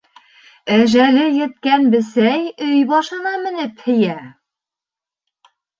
Әжәле еткән бесәй өй башына менеп һейә.